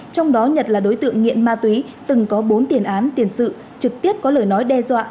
trong đó nhật là đối tượng nghiện ma túy từng có bốn tiền án tiền sự trực tiếp có lời nói đe dọa